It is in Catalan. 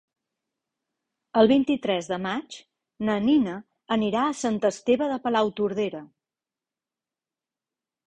El vint-i-tres de maig na Nina anirà a Sant Esteve de Palautordera.